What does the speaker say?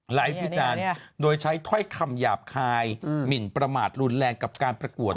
วิจารณ์โดยใช้ถ้อยคำหยาบคายหมินประมาทรุนแรงกับการประกวด